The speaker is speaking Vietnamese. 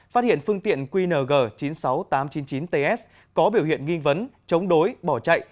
phát hiện phương tiện qng chín mươi sáu nghìn tám trăm chín mươi chín ts có biểu hiện nghi vấn chống đối bỏ chạy